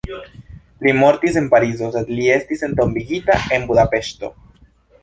Li mortis en Parizo, sed li estis entombigita en Budapeŝto.